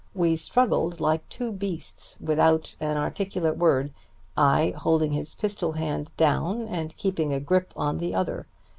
We struggled like two beasts, without an articulate word, I holding his pistol hand down and keeping a grip on the other.